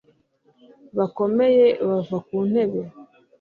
bakomeye bava ku ntebe